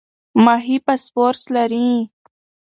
ماهي فاسفورس لري.